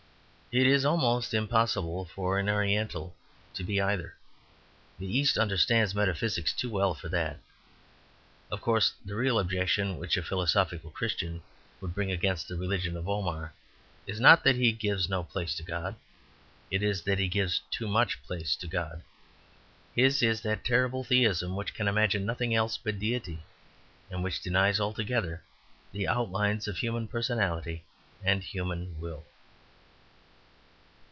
It is almost impossible for an Oriental to be either; the East understands metaphysics too well for that. Of course, the real objection which a philosophical Christian would bring against the religion of Omar, is not that he gives no place to God, it is that he gives too much place to God. His is that terrible theism which can imagine nothing else but deity, and which denies altogether the outlines of human personality and human will.